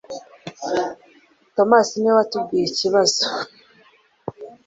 Tomasi niwe watubwiye ikibazo